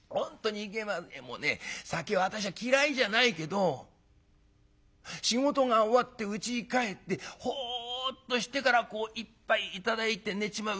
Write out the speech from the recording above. もうね酒は私は嫌いじゃないけど仕事が終わってうちに帰ってほっとしてからこう一杯頂いて寝ちまう。